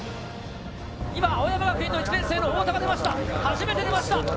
今、青山学院の１年生の太田が出ました。